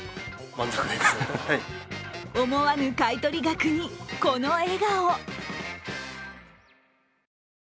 思わぬ買い取り額にこの笑顔。